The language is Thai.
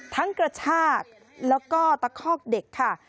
กระชากแล้วก็ตะคอกเด็กค่ะ